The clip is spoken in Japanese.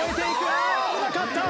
ああ危なかった！